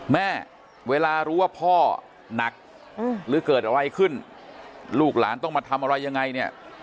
เวลารู้ว่าพ่อหนักหรือเกิดอะไรขึ้นลูกหลานต้องมาทำอะไรยังไงเนี่ย